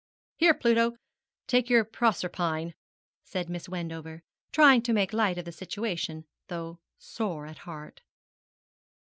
'Here, Pluto, take your Proserpine,' said Miss Wendover, trying to make light of the situation, though sore at heart.